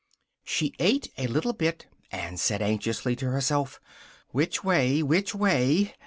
She ate a little bit, and said anxiously to herself "which way? which way?"